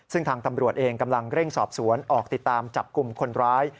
ซึ่งทางตำรวจเองกำลังเร่งสอบสวนออกติดตามจับกลุ่มคนร้าย